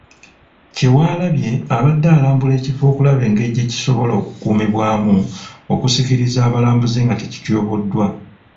Kyewalabye, abadde alambula ekifo okulaba engeri gye kisobola okukuumibwamu okusikiriza abalambuzi nga tekityoboddwa.